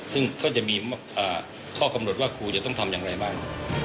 ซึ่งก็จะมีข้อกำหนดว่าครูจะต้องทำอย่างไรบ้าง